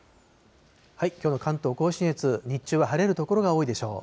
きょうの関東甲信越、日中は晴れる所が多いでしょう。